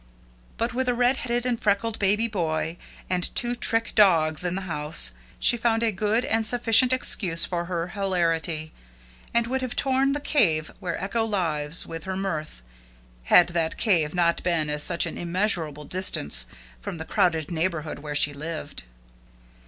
But with a red headed and freckled baby boy and two trick dogs in the house, she found a good and sufficient excuse for her hilarity, and would have torn the cave where echo lies with her mirth, had that cave not been at such an immeasurable distance from the crowded neighborhood where she lived.